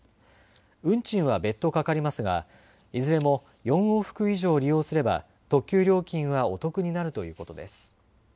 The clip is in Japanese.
運賃は別途かかりますがいずれも４往復以上利用すれば特急料金はお得になるということです。